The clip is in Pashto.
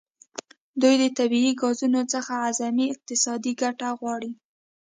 دوی د طبیعي ګازو څخه اعظمي اقتصادي ګټه غواړي